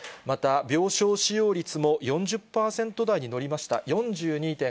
また、病床使用率も４０％台に乗りました。